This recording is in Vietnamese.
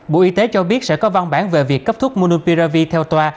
bộ y tế cho biết sẽ có văn bản về việc cấp thuốc monopiravir theo tòa